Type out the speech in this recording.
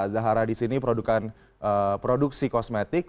zahara di sini produksi kosmetik